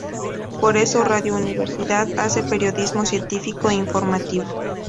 Por eso Radio Universidad hace periodismo científico e informativo.